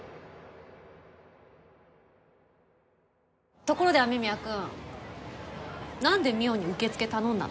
ところで雨宮くんなんで望緒に受付頼んだの？